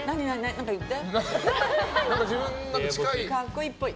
何か言って。